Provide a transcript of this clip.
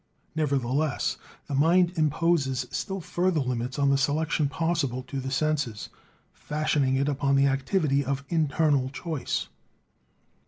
Nevertheless, the mind imposes still further limits on the selection possible to the senses, fashioning it upon the activity of internal choice.